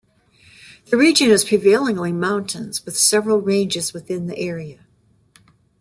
The region is prevailingly mountains, with several ranges within the area.